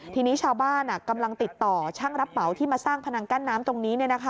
ทีนี้ชาวบ้านกำลังติดต่อช่างรับเหมาที่มาสร้างพนังกั้นน้ำตรงนี้